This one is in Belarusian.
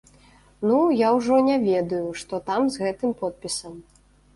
Ну, я ўжо не ведаю, што там з гэтым подпісам.